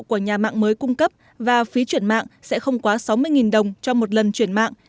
của nhà mạng mới cung cấp và phí chuyển mạng sẽ không quá sáu mươi đồng cho một lần chuyển mạng